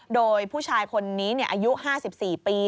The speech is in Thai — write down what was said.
โดยผู้ชายคนนี้อายุ๕๔ปี